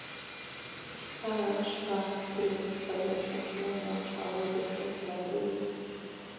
هره شپه درې، څلور شمسيانې او د هغوی بېټرۍ خلاصوي،